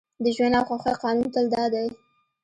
د ژوند او خوښۍ قانون تل دا دی